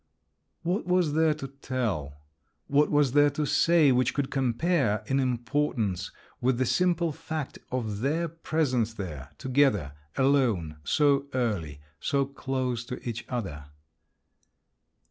What was there to tell, what was there to say, which could compare, in importance, with the simple fact of their presence there, together, alone, so early, so close to each other.